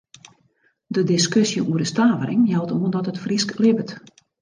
De diskusje oer de stavering jout oan dat it Frysk libbet.